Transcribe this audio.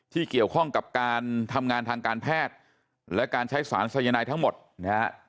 ที่เกี่ยวข้องกับการทำงานทางการแพทย์และการใช้สารสายนายทั้งหมดนะฮะ